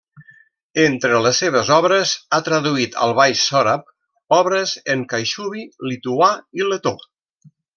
Entre les seves obres, ha traduït al baix sòrab obres en caixubi, lituà i letó.